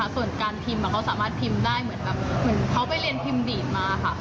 ส่วนการพิมพ์เขาสามารถพิมพ์ได้เหมือนแบบเหมือนเขาไปเรียนพิมพ์ดีดมาค่ะ